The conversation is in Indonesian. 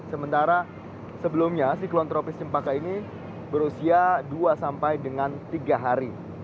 sementara sebelumnya siklon tropis cempaka ini berusia dua sampai dengan tiga hari